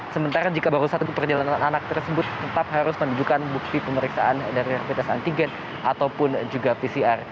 sementara jika baru satu perjalanan anak tersebut tetap harus menunjukkan bukti pemeriksaan dari rapid test antigen ataupun juga pcr